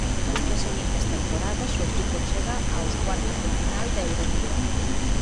Nas tres seguintes temporadas o equipo chega aos cuartos de final da Euroliga.